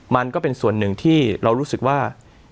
มันก็เป็นส่วนหนึ่งที่เรารู้สึกว่า